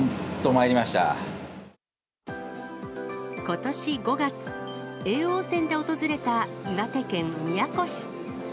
ことし５月、叡王戦で訪れた岩手県宮古市。